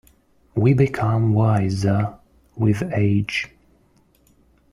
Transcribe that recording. We become wiser with age.